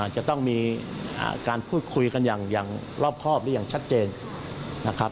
จะต้องมีการพูดคุยกันอย่างรอบครอบหรืออย่างชัดเจนนะครับ